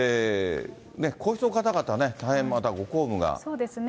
皇室の方々ね、大変、そうですね。